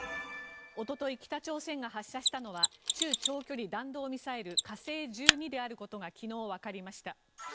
おととい、北朝鮮が発射したのは中長距離弾道ミサイル火星１２であることが昨日、わかりました。